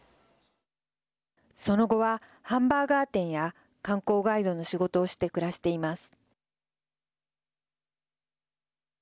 その後は、ハンバーガー店や観光ガイドの仕事をして暮らしています。